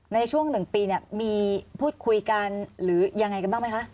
ในช่วง๑ปีมีพูดคุยกันหรือยังไงกันบ้างไหมคะ